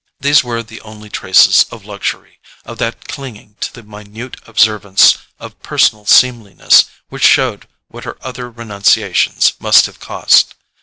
These were the only traces of luxury, of that clinging to the minute observance of personal seemliness, which showed what her other renunciations must have cost.